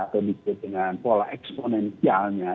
atau disebut dengan pola eksponensialnya